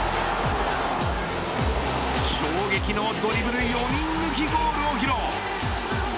衝撃のドリブル４人抜きゴールを披露。